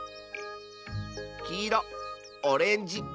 きいろオレンジ